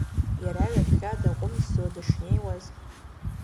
Иара ҩаԥхьа даҟәымҵӡо дышнеиуаз…